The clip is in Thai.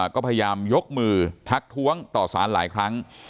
ก็พยายามยกมือทักท้วงต่อสารหลายครั้ง